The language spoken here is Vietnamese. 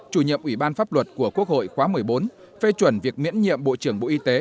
chủ nhiệm ủy ban pháp luật của quốc hội khóa một mươi bốn phê chuẩn việc miễn nhiệm bộ trưởng bộ y tế